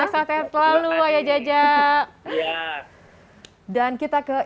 sukses selalu ayah jajah